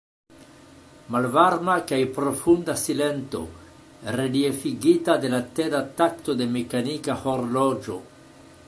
Malvarma kaj profunda silento, reliefigita de la teda takto de mekanika horloĝo.